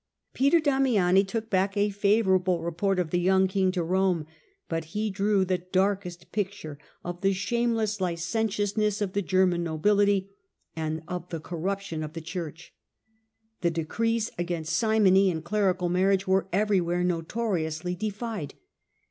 Peter Damiani took back a favourable report of the young king to Rome ; but he drew the darkest picture German ^^*^® shamelcss liceutiousness of the German bumwed nobility, and of the corruption of the Church, at Rome i^q dccrecs agaiust simony and clerical marriage were everywhere notoriously defied.